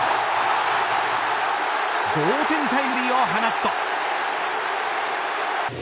同点タイムリーを放つと。